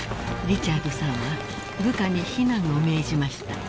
［リチャードさんは部下に避難を命じました］